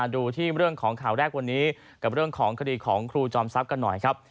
ดูที่เรื่องของข่าวแรกวันนี้กับเรื่องของคดีของครูจอมทรัพย์กันหน่อยครับ